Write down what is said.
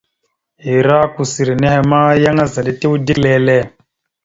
Ere kousseri nehe ma, yan azaɗ etew dik lele.